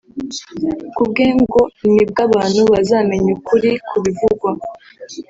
kubwe ngo nibwo abantu bazamenya ukuri kubivugwa